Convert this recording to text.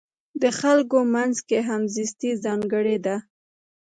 د خلکو منځ کې همزیستي ځانګړې ده.